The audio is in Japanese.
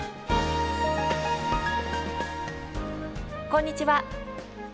こんにちは。